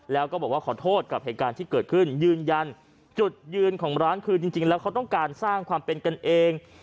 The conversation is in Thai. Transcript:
แล้วก็บอกว่าขอโทษกับเหตุการณ์ที่เกิดขึ้นยืนยันจุดยืนของร้านคือจริงแล้วเขาต้องการสร้างความเป็นกันเอง